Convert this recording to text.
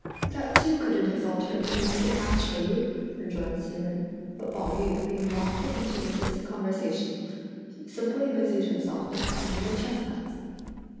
"That too couldn't exalt her to be a fit match for you!" rejoined Hsi Jen; but Pao yü being loth to continue the conversation, simply busied himself with cleaning the chestnuts.